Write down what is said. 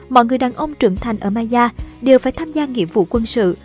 mọi người đàn ông trưởng thành ở maya đều phải tham gia nhiệm vụ quân sự